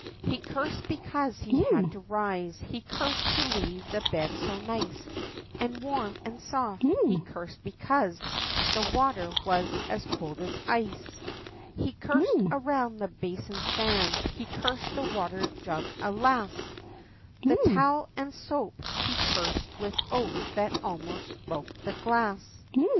He cursed because he had to rise, he cursed to leave the bed so nice, And warm, and soft, he cursed because the water was as cold as ice. He cursed around the basin stand, he cursed the water jug, alas! The towel and the soap he cursed, with oath that almost broke the glass.